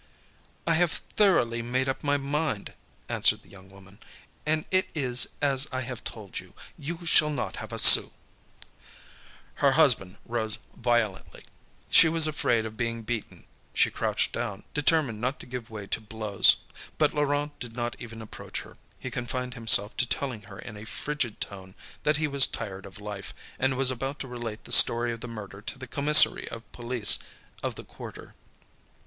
"I have thoroughly made up my mind," answered the young woman, "and it is as I have told you. You shall not have a sou." Her husband rose violently. She was afraid of being beaten; she crouched down, determined not to give way to blows. But Laurent did not even approach her, he confined himself to telling her in a frigid tone that he was tired of life, and was about to relate the story of the murder to the commissary of police of the quarter.